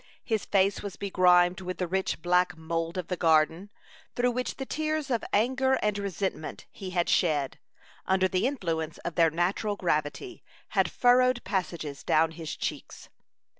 His face was begrimed with the rich black mould of the garden, through which the tears of anger and resentment he had shed, under the influence of their natural gravity, had furrowed passages down his checks.